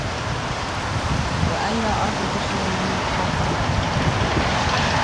وأي الأرض تخلو منك حتى